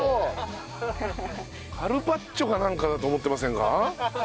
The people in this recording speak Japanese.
カルパッチョかなんかだと思ってませんか？